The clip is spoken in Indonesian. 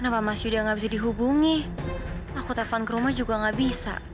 kenapa mas yuda gak bisa dihubungi aku telfon ke rumah juga gak bisa